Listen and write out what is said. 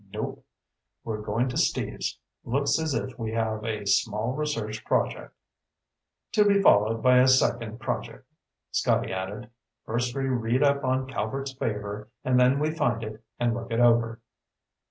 "Nope. We're going to Steve's. Looks as if we have a small research project." "To be followed by a second project," Scotty added. "First we read up on Calvert's Favor, and then we find it and look it over."